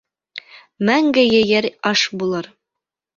Мәңге ейер аш булыр.